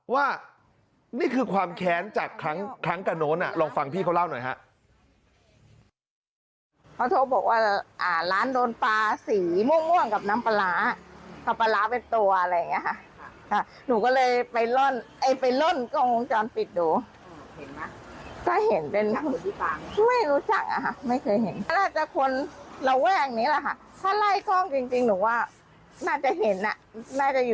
ว่านี่คือความแค้นจากครั้งกระโน้นลองฟังพี่เขาเล่าหน่อยฮะ